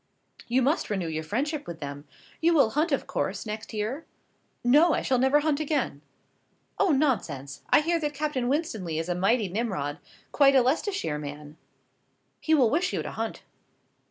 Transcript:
"You must renew your friendship with them. You will hunt, of course, next year?" "No, I shall never hunt again!" "Oh, nonsense; I hear that Captain Winstanley is a mighty Nimrod quite a Leicestershire man. He will wish you to hunt."